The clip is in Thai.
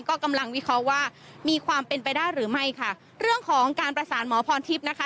ก็กำลังวิเคราะห์ว่ามีความเป็นไปได้หรือไม่ค่ะเรื่องของการประสานหมอพรทิพย์นะคะ